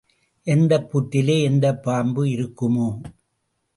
எந்தப் புற்றிலே எந்தப் பாம்பு இருக்குமோ?